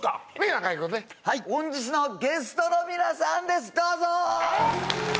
中居くんね本日のゲストの皆さんですどうぞ！